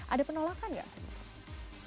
ada penolakan nggak sebenarnya